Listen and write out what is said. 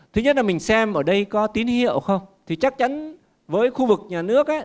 thứ nhất là mình xem ở đây có tín hiệu không thì chắc chắn với khu vực nhà nước